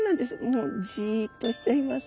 もうじっとしちゃいます。